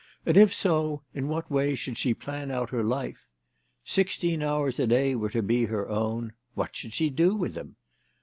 And if so, in what way should she plan out her life ? Sixteen hours a day were to be her own. What should she do with them